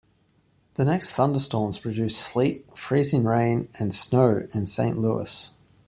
The next day thunderstorms produced sleet, freezing rain, and snow in Saint Louis.